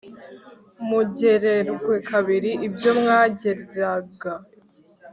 mugererwe kabiri ibyo mwageraga